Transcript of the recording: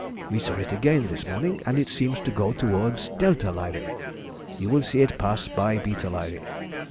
We saw it again this morning, and it seems to go towards δ Lyræ, you will see it pass by β Lyræ.